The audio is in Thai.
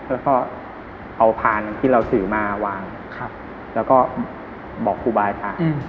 แล้วก็เอาพานที่เราถือมาวางแล้วก็บอกครูบายผ่าน